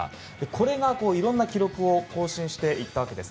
これがいろいろな記録を更新していったわけです。